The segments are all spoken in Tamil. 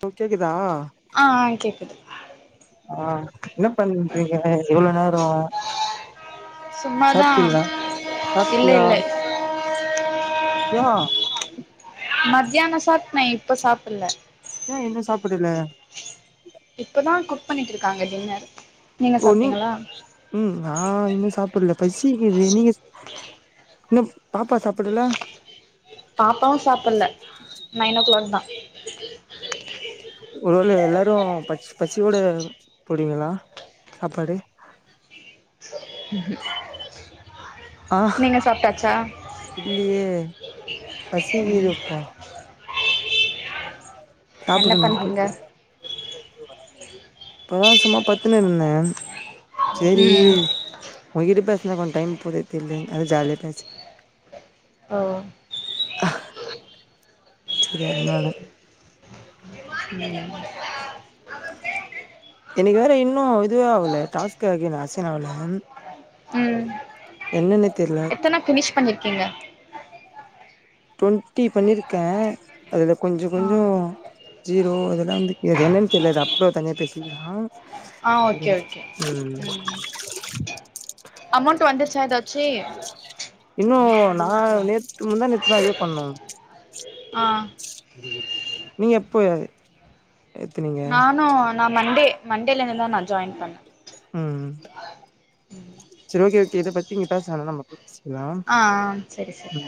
உனக் கேக்குதா ஆ ஆ கேக்குது ஆ என்ன பண்றீங்க இவ்ளோ நாளு [inaudible] சும்மாதா இல்ல சாப்ட்டியா இல்ல ஏ மத்யான சாப்டே இப்ப சாப்பிட்ல ஏ இன்னு சாப்பிடல இப்பதா குக் பண்ணிட்ருக்காங்க டின்னர் நீங்க ஓ நீ சாப்ட்டீங்களா உம் நா இன்னு சாப் சாப்படல பசிகிது நீங்க இன்னு சாப்பாட் சாப்பிடல பாப்பாவு சாப்புல்ல நைன் ஓ கிளாக் தா ஒருவேள எல்லாரு பச் பசியோட போடுவீங்களா சாப்பாடு உம் ஆ இல்லியே பசி கீதுப்பா என்ன சாப்புடுணு பண்றீங்க [unintelligible] இப்பதா சும்மா பத்துன்னு இந்தே சேரி ம் உங்கிட்ட பேச இதுல கொஞ் டைம் போதே தெரில [unintelligible] அத ஜாலியா பேசி ஓ செரி அதனால எனைக்கு வேற இன்னு இதுவே ஆகல டாஸ்க்க அசைன் ஆகல ம் என்னென்ன தெ எத்தன ஃபினிஷ் பண்ணிருக்கீங்க டவெண்ட்டி பண்ணிருக்கே அதுல கொஞ்ச ஆ கொஞ்ச ஜீரோ அதெல்லா வந்து இது என்னன்னு தெரில அப்பளோ தனியா பேசிக்கலா ஆ ஓகே ஓகே ம் ம் அமௌண்ட் வந்துருச்சா ஏதாச்சு இன்னு நா நேத்துக்கு முந்தான நேத்து தா இதே பண்ணு ஆ நீ எப்ப நானு ந மண்டே மண்டேலேந்து தா நா ஜாயின் பண்ணே ம் ம் செரி ஓகே ஓகே இத பத்தி இங்க பேச வேணா நமக்கு ஆ ஆ சரி சரி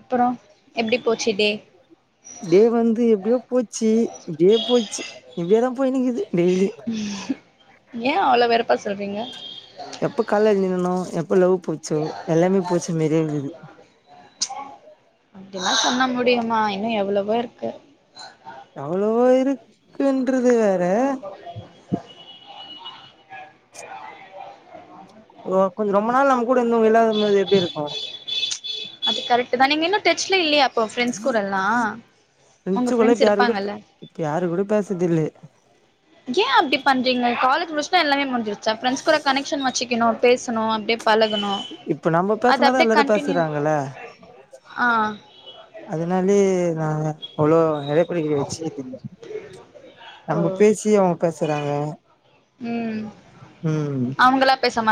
அப்புற எப்டி போச்சு டே இப்டே வந்து எப்டியோ போச்சு இப்டியே போயச்சு இப்டியே தா போயீக்குது டெய்லி ஏ அவ்ளோ வெறுப்பா சொல்றீங்க எப்ப கால நின்னனோ எப்ப லவ் போச்சோ எல்லாமே போச்ச மிர்ந்தது அப்புல்லா சொன்னா முடியுமா இன்னு எவ்ளவோ இருக்கு அவ்வளவா இருக்குன்றது வேற ஓ கொஞ் ரொம்ப நாள் நம்ம கூட இருந்தவங்க இல்லாதது எப்டி இருக்கு அது கரெக்டு தா நீங்க இன்னு டச்ல இல்லயா உங்க ப்ரண்ஷூக்குள்ள ஃப்ரெண்ட்ஸ் இப்ப யாரு கூட இருப்பாங்கல்ல இப்ப யாரு கூட பேசறதில்ல ஏ அப்டி பண்றீங்க காலேஜ் முடிச்டா எல்லாமே முஞ்சிருச்ச ப்ரண்ட்ஸ் கூட கனெக்ஷன் வச்சுக்கணு பேச சொனோ அப்டே இப்ப நம்ம பேசனாதா எல்லாரு கண்டினியூ பேசுறாங்கல ஆ அதுனாலே ஆ அவ்ளோ புடிகல வச்சிகது இல்ல ஓ நம்ம பேசியு அவுங் பேசறாங்க ம் ம்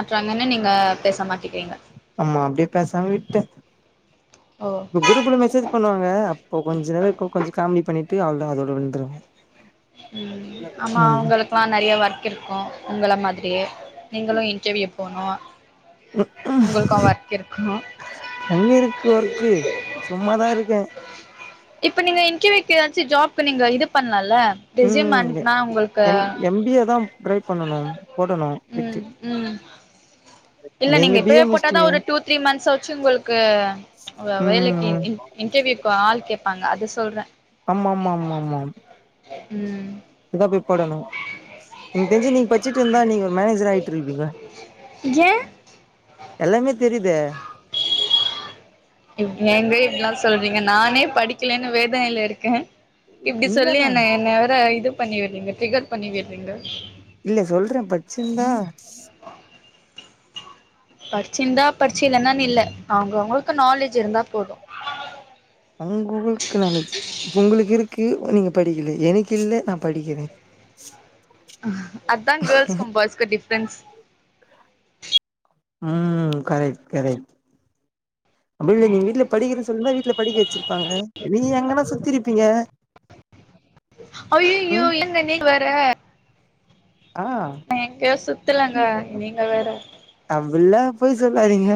சொன்னனே நீங்க பேச மாட் டீகீங்க ஆமா அப்டியே பேசாம விட்டே ஓ இப்ப குரூப்ல மெசேஜ் பண்ணுவாங்க அப்போ கொஞ்ச நே கொஞ்ச காமெடி பண்ணி ட்டு அவ்ளோ தா அதோட விந்துருவே உம் ஆமா அவங்களுக்கெல்லா நெறைய ஒர்க் இருக்கு உங்கள மாதிரியே நீங்களு இன்டர்வியூ போனு உங்களுக்கு ஒர்க் இருக்கு எங்க இருக்கு ஒர்க்கு சும்மாதா இருக்கே இப்ப நீங்க இன்டர்வியூக்கு ஏதாச்சு ஜாப்க்கு நீங்க இது பண்லால்ல ரெசியும் ம் அனுப்புனா உங்களுக்கு எம் எம் பி ஏ தா ட்ரை பண்ணனும் போடணும் ம் ம் [unintelligible] இல்ல நீங்க இப்பயே போட்டாதா ஒரு டூ த்ரீ மந்த்ஸ் வச்சு உங்களுக்கு வே வேலைக்கு ம் இன் இன்டர்வியூக்கு ஆள் கே ப்பாங்க அது சொல்றே ஆமா ம் இனி தா போய் போடணு எனக் தெரிஞ்சு நீங்க பட்சிட்டு இருந்தா நீங்க ஒரு மேனேஜர் ஆயிட்டு இருப்பீங்க ஏ எல்லாமே தெரியி இத ஏங்க இப்படியெல்லாம் சொல்றீங்க நானே படிக்கலேன்னு வேதனையில இருக்கேன் இப்படி உண்மதா சொல்லிய என்ன என்னவர இது பண்ணி வர்றீங்க டிகர் பண்ணி விட்றீங்க இல்ல சொல்றேன் பச்சிருந்தா படிச்சு இருந்தா படிச்சு இல்லைன்னான் இல்லை அவங்க அவங்களுக்கு நாலேஜ் இருந்தா போது உங்களுக்கு நாலேச்சு உங்களுக்கு இருக்கு நீங்க படிக்கல எனக்கு இல்ல நான் படிக்கிறேன் அதான் கேர்ள்ஸ்க்கும் பாய்ஸ்க்கும் டிஃப்ரன்ஸ் உம் கரெக்ட் கரெக்ட் அப்படி இல்ல நீங்க வீட்டுல படிங்கன்னு சொல்லி வீட்ல படிக்க வச்சிருப்பாங்க நீங்க எங்கன்னா சுத்திருப்பீங்க அய்யய்யோ ம் என்ன நீங் வர ஆஹ் சுத்தலங்க நீங்க வேற அப்டில்லாம் பொய் சொல்லாதீங்க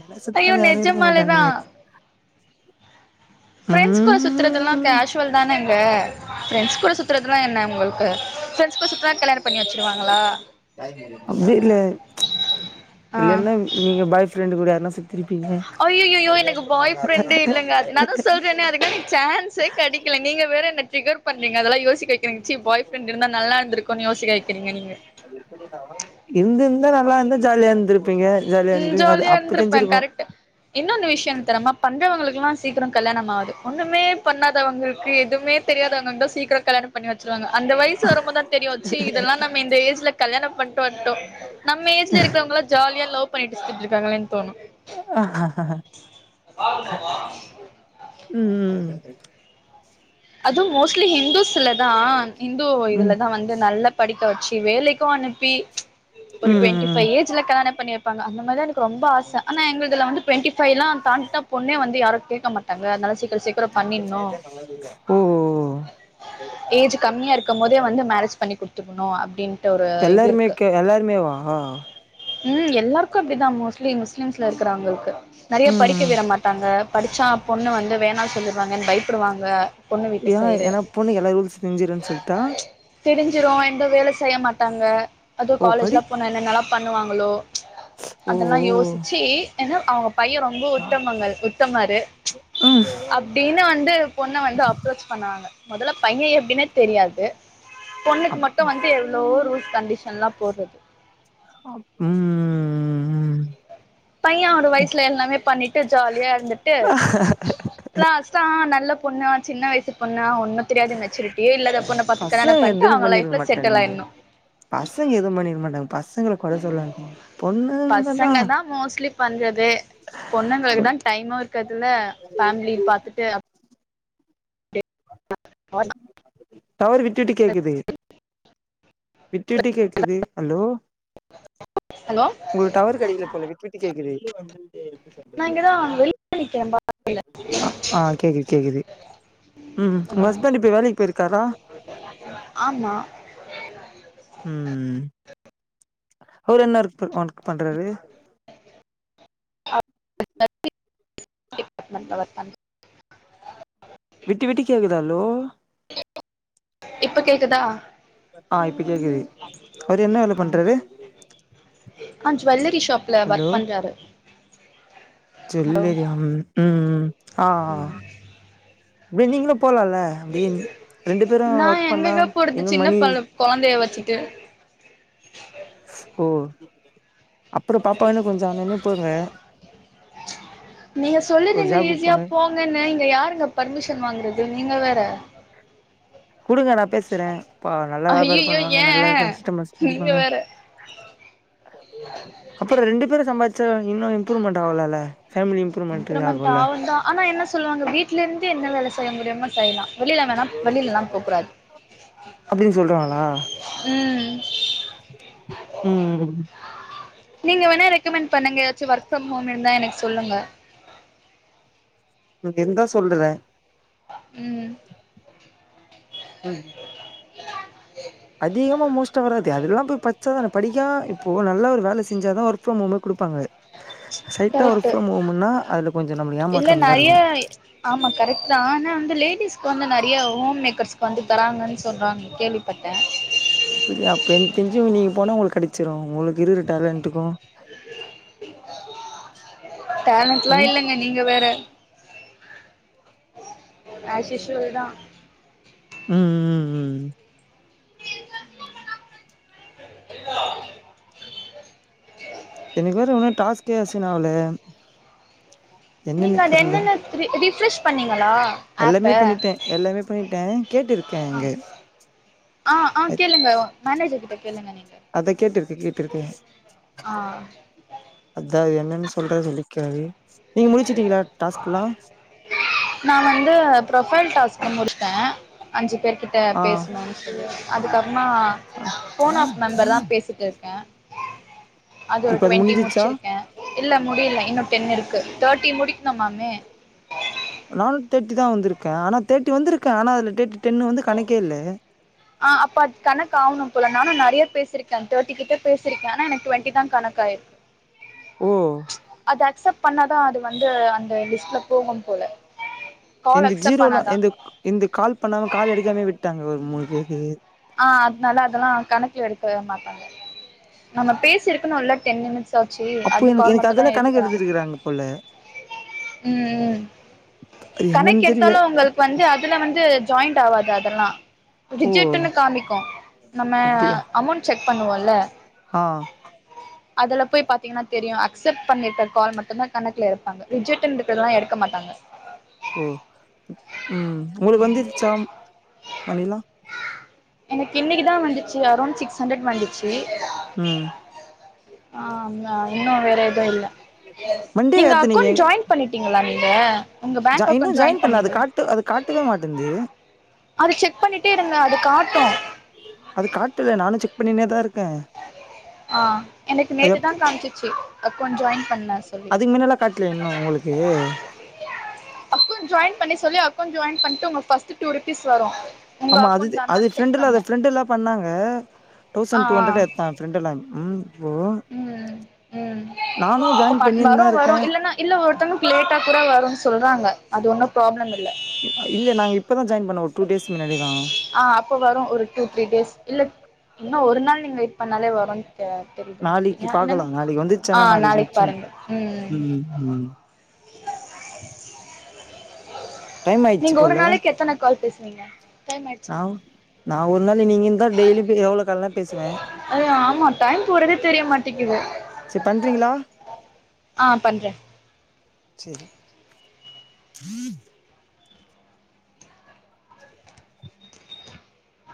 எல்லாம் ஐயோ சுத்தாம யாரும் இருக்க மாட்டாங்க நெஜமாலேதா ஃபிரெண்ட்ஸ் கூட சுத்துறதெல்லாம் ம் கேஷுவல் தானே கூட சுத்துறதுதான் என்ன உங்களுக்கு ஃபிரெண்ட்ஸ் கூட சுத்துனா கல்யாணம் பண்ணி வச்சுிருவாங்களா அப்படி இல்ல இல்லன்னா நீங்க பாய் ஃப்ரெண்ட் கூட நா சுத் அய்யய்யோயோ எனக்கு பாய்ஃப்ரெண்டு இல்லைங்க அது நான் தான் சொல்றேன்னே அதுமேரி சான்ஸ் கிடைக்கல நீங்க வேற என்ன ட்ரிகர் பண்றீங்க அதெல்லாம் யோசிக்க வைக்கிறீங்கச்சி பாய் ஃப்ரெண்டு இருந்தா நல்லா இருந்துருக்குனு யோசிக்க வக்கிறீங்க இருந்திருந்த நல்லா இருந்து ஜாலியா இருந்திருப்பீங்க ஜாலியா அது ஜாலியா அப்ப இருந்திருப்பேன் தெரிஞ்சிருக்கு கரெக்ட்டு இன்னொன்னு விஷயம் என்ன தெரியுமா பண்றவங்களுக்கெல்லாம் சீக்கிரம் கல்யாணம் ஆது ஒண்ணுமே பண்ணாதவங்களுக்கு எது எதுவுமே தெரியாதங்க சீக்கிரம் கல்யாணம் பண்ணி வச்சுருவாங்க அந்த வயசு வரும்போதுத தெரியும் ச்சி இதெல்லாம் நம்ம இந்த எஜ்ல கல்யணம் பண்ணிட்டு வந்துட்டோம் நம்ம எஜ் வீட்ல இருக்கிறவங்கள ஜாலியால்லாம் லவ் பண்ணிட்டு செஞ்சி இருக்காங்களேன் ஆஹ் உம் உம் [inaudible] அதுவும் மோஸ்ட்லி ஹிந்துஸ்லதான் இந்து ம் இதுலதான் வந்து நல்லா படிக்க வச்சு வேலைக்கும் அனுப்பி ஒரு ம் டுவெண்ட்டி ம் பைவ் ஏஜ்ல கல்யாணம் பண்ணி வைப் அந்த மாதிரி எனக்கு ரொம்ப ஆசை ஆனா எங்கலாதுலா வந்து டுவெண்ட்டி பைவ்லா தாண்டிட்டா பொண்ணே வந்துயாரும் கேக்கமா தங்குறாத இருந்தாலும் சீக்கிரம் சீக்கிரம் பண்ணிட்ணு ஓ ஏஜ் கம்மியா இருக்கும் போதே வந்து மேரேஜ் பண்ணி குடுத்துணு நோ அப்டின் ட ஒரு இது எல்லாருமே இருக்கு க எல்லாருமேவா உம் எல்லார்க்கோ அப்டிதா மோஸ்லி கின்ஸ்ல இருக்கிறவுங்களுக்கு நெறைய படிக்க ம் விட மாட்டாங்க படிச்சா பொண்ணு வந்து வேணானு சொல்லிர்வாங்கன்னு பயப்பிடுவாங்க ஏ ஏன்னா பொண்ணுக்கு எல்லா ரூல்ஸ் தெரிஞ்சிருன்னு சொல்டா தெரிஞ்சிரோ எங்க வேல செய்ய மாட்டாங்க அதுவு ஓ படி காலேஜ்ல போன என்னென்னலா பண்ணுவாங்களோ ச்ச ஓ அதெல்லா ஓ யோஸ்ச்சி என்னவ் அவுங்க பையே ரொம்ப உத்தமங்கள் உத்தமாரு ம் அப்டின்னு வந்து பொண்ண வந்து பண்ணாங்க மொதல்ல பையே எ ன்னா தெரியாது பொண்ணுக்கு அம் மட்டோ வந்ட்டு எவ்ளோ ரூல்ஸ் கண்டிஷன்லா போட்றது ம் பையே ஒரு வயிசுல எல்லாமே பண்ணிட்டு ஜாலியா இருந்துட்டு லாஸ்ட்டா நல்ல பொண்ணா சின்ன வயிசு பொண்ணா ஒன் னு தெரியாத மெச்சூரிட்டியே இல்லாதப் பொண்ண பாத்துக் கல்யாணம் பசங்க பண்ட்டு எதுவுமே அவுங்க பண்ணிருக்க லைஃப்ல செட்டில் மாட்டானுங்க ஆயிணு பசங்க எதுவு பண்ணிருக்க மாட்டாங்க பசங்கள கொற சொல்லாதீங்க பொண்ணுங்கதா பசங்கதா மோஸ்ட்லி பண்றது பொண்ணுங்களுக்குதா டைம்மூ இருக்கத்தில ஃபேம்லி பாத்துட்டு அ [inaudible] டவரு விட்டு விட்டு கேக்குது விட்டு விட்டு கேக்குது ஹலோ ஹலோ உங்குளுக்கு டவர் கெடைக்கல போல விட்டு விட்டு கேக்குது அ நா இங்கதா வெளிய நிக்கிறே பால்கனில ஆ கேக்குது கேக்குது உம் உம் உங்க ஹஸ்பண்ட் இப்ப வேலைக்கு போயிருக்காரா ஆமா உம் அவுரு என்ன [unintelligible] பண்றரு [inaudible] விட்டு விட்டு கேக்குது ஹலோ இப்ப கேக்குதா ஆ இப்ப கேக்குது அவுரு என்ன வேல பண்றாரு ஜூவல்லரி சு ஹலோ ஜூவல்லரியாம் உம் உம் விர்ந்தீங்னா போலால அப்டியே ரெண்டு பேரு நா ஒர்க் பண்ணா இன்னு மணி சிட்டு ஓ அப்புறோ பாப்பாவ இன்னு கொஞ்சோ ஆனோனே போங்க நீங்க ஒரு சொல்லிற்றீங்க ஜாபுக்கு ஈஸியா போங்க போங்கன்னு இங்க யாருங்க பர்மிஷன் வாங்றது நீங்க வேற குடுங்க நா பேசுறே பா நல்லா வியாபார ஐயையோ பண்ணுவாங்க ஏ நல்ல கஸ்ட்டமர்ஸ் நீங்க புடிப்பாங்க வேற அப்புற ரெண்டு பேரு சம்பார்ச் சோ இன்னு இம்ப்புரூவ்மண்ட் ஆவுலல்ல இம்ப்ரூவ்மெண்ட் ஆவுந்தா ஆனா என்ன சொல்லுவாங்க வீட்ல இருந்து என்ன வேல செய்ய முடியுமோ செய்லா அப்டின் சொல்றாங்களா ம் ம் நீங்க வேணா ரெக்கமெண்ட் பண்ணுங்க ஏதாச்சு வொர்க் ஃப்ரம் ஹோம் இருந்தா எனக்கு சொல்லுங்க உனக்கு இருந்தா சொல்றே ம் ம் அதிகமா மோஸ்ட்டா வராது அதுக்கெலா போய் பச்சாதான படிக்கா இப்போ நல்லா ஒரு வேல செஞ்சாதா ஒர்க் ஃப்ரம் ஹோமே குடுப்பாங்க சைட்டா ஒர்க் கரெக்ட்டு ஃப்ரம் ஹோம்னா அதுல கொஞ்சோ நம்மளுக்கு இல்ல ஏமாற்றம் தா நெறைய இருக்கு ஆமா கரெக்ட்தா ஆனா வந்து லேடிஸ் க்கு வந்து நெறைய ஹோம் மேக்கர்ஸ்க்கு வந்து தராங்கன் சொல்றாங்க கேள்விப்பட்ட அப்பிடியா அப்ப என்க்கு தெரிஞ்சு நீங்க போனா உங்ளுக்கு கெடச்சுரு உங்களுக்கு இருக்க டேலண்ட்டுக்கு டேலண்ட்லா ம் இல்லங்க நீங்க வேற ஆஸ் யூஷுவல்தா ம் ம் ம் எனக்கு வேற இன்னு டாஸ்க்கே அசைன் ஆவுலே நீங்க அது என்னென்ன ரி டிஃப் சூஸ் பண்ணுங் ஹலோ ஆப்ப ட்ட ஆ ஆ ஆ கேளுங்க மானேஜர் கிட்ட கேளுங்க நீங்க அதா கேட்டிருக்க கேட்டிருக்க ஆ அதா என்ன சொல்ற சொல்லிக்காரு நீங்க முடிச்சுட்டீங்களா டாஸ்க்லா நா வந்து ப்ரொஃபைல் டாஸ்க்க முடிச்ச அஞ்சு பேர்கிட்ட ஆ பேசணுன் சொல்லி அதுக்க நா ஆ ஃபோன் ஆஃப் மெம்பர்தா பேசிட்ருக்க அது ஒரு இப்ப டுவெண்ட்டி முடிஞ்சிச்சா முடிச்சிருக்க இல்ல முடில இன்னு டென் இருக்கு கங்கு தேட்டி முடிக்கணும்மாமே நானு தேட்டி தா வந்திருக்க ஆனா தேட்டி வந்திருக்க ஆனா அதுல தேட்டி ஆ அப்ப அது கணக்ட் ஆவணோ போல நானு ந ஏழு பேசிருக்க தேர்டி கிட்ட பேசிருக்க ஆனா எனக்கு டுவெண்ட்டி தா கணக்காயிருக் ஓ அக்சப்ட் பண்ணாதா அது வந்து அந்த லிஸ்ட்ல போகும் போல கால் இந்த அக்செப்ட் ஜீரோல பண்ணாதா இந்த இந்த கால் பண்ணாம கால் எடுக்காம விட்டு விட்டாங்க ஒரு மூணு பேருக்கு ஆ அதனால அதெல்லா கணக்குல எடுக்க மாட்டாங்க நம்ம பேசி இருக்கன்னுல டென் நிமிட்ஸ் தாச்சி அப்போ அந்த எனக்கு கால் எனக்கு மட்டம் தா அதெல்லா கணக்கு ஏத்துகுறாங்க எடுத்துருக்கறாங்க போல ம்ம்ம் அது என்னன்னு தெரியல கணக்கெடுத்தாலு உங்களுக்கு வந்து அதுல வந்து ஜாயிண்ட் ஆவாது அதெல்லா ஓ [unintelligible] அக்கௌண்ட்டுல காமிக்கோ நம்ம அப்டியா அமௌண்ட் செக் பண்ணுவோல்ல ஆ அதுல போய் பாத்தீங்கனா தெரியும் அக்செப்ட் பண்ணிருக்க கால் மட்டுதா கணக்குல எடுப்பாங்க ரிஜக்ட்டுனு இருக்கதுல்லா எடுக்க மாட்டாங்க ஓ உம் உளுக்கு வந்திருச்சா மணிலாம் எனக்கு இன்னைக்கு தான் வந்துச்சு அரௌண்ட் சிக்ஸ் ஹண்ட்ரட் வந்துச்சு ம் ஆஹ் ஆ இன்னும் வேற ஏதும் இல்லை மண்டே நீங்க அக்கௌண்ட் ஜாயின் பண்ணிட்டீங்களா க [inaudible] ஜாய் இன்னும் ஜாயின் பண்ணல அது காட்டு அது காட்டவே மாட்டேன்து அது செக் பண்ணிட்டே இருங்க அது காட்டு ட்டும் [unintelligible] அது காட்டுதே நானும் செக் பண்ணினேதான் இருக்கேன் ஆஹ் எனக்கு நேத்து தான் காமிச்சுச்சு அக்கவுண்ட் ஜாயின் பண்ணலான்டு அதுக்கு மின்னல்லா காட்டல இன்னு உங்களுக்கு அக்கவுண்ட் ஜாயின் பண்ணி சொல்லி அக்கவுண்ட் ஜாயின் பண்ணிட்டு ஃபஸ்ட் டூ ருபீஸ் வரும் ஆமா அது அது ஃப்ரெண்ட் ப்ரெண்டெல்லாம் பண்ணாங்க தௌசண்ட் டூ ஹண்ட்ரட் எடுத்தான் ப்ரெண்டெலாம் ஹம் [unintelligible] உம் உம் நானு ஜாயின் அடுத்த பண்ணின்தா வாரம் இருக்கே வரும் இல்லன்னா இல்ல ஒருத்தங்களுக்கு லேட்டா கூட வரும்னு சொல்றாங்க அது ஒண்ணும் ப்ராப்ளம் இ ஆ இல்லே நாங்க இப்பதா ஜாயின் பண்ணோ ஒ டூ டேஸ் மின்னாடிதா ஆ இன்னும் ஒரு நாள் நீங்க வெயிட் பண்ணாலே வரும் [unintelligible] நாளைக்கு பாக்கலாம் நாளைக்கு வந்துச்சன்னா நாளைக்கு முச்சனும் பாருங்க ம் உம் உம் டைம் ஆயிடுச்சு நீங்க ஒரு போல நாளைக்கு எத்தன கால் பேசுவீங்க டைம் ஆயிடுச்சா நா நான் ஒரு நாளு நீங்க இருந்தா டெய்லி எவ்ளோ கால்னாலும் பேசுவேன் ஆம்மா டைம் போறதே தெரிய மாட்டிக்குது சரி பண்றீங்களா ஆ பண்றே சரி